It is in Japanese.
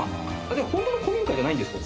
ホントの古民家じゃないんですか？